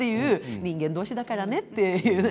人間同士だからね、という。